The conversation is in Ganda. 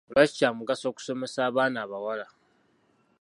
Lwaki kya mugaso okusomesa abaana abawala?